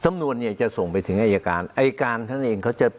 สำนวนเนี่ยจะส่งไปถึงอายการอายการท่านเองเขาจะ